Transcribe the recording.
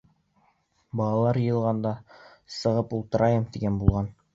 Балалар йыйылғанда сығып ултырайым, тигән булған.